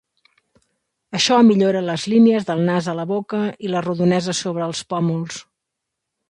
Això millora les línies del nas a la boca i la rodonesa sobre els pòmuls.